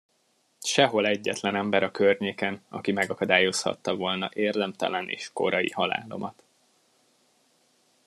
Sehol egyetlen ember a környéken, aki megakadályozhatta volna érdemtelen és korai halálomat.